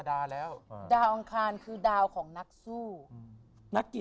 ดวงเขาจะต้องเป็นอย่างไร